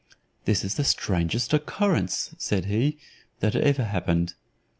"This is the strangest occurrence," said he, "that ever happened."